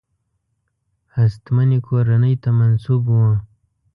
هستمنې کورنۍ ته منسوب وو.